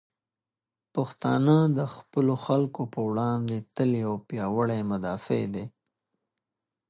پښتانه د خپلو خلکو په وړاندې تل یو پیاوړي مدافع دی.